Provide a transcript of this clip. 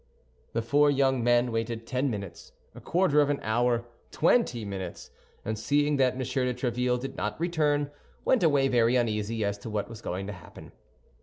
The four young men waited ten minutes, a quarter of an hour, twenty minutes; and seeing that M. de Tréville did not return, went away very uneasy as to what was going to happen.